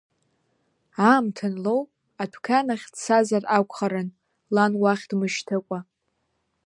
Аамҭа анлоу, адәқьан ахь дцазар акәхарын, лан уахь дмышьҭыкәа.